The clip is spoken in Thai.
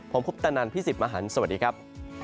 ผมพุทธนันทร์พี่สิบมาหันสวัสดีครับ